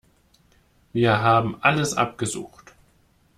Wir haben alles abgesucht.